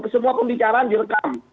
semua pembicaraan direkam